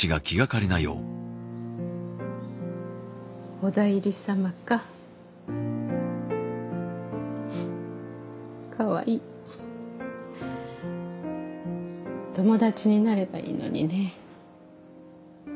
おだいり様かふっかわいい友達になればいいのにね